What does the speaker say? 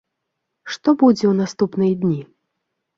Што будзе ў наступныя дні?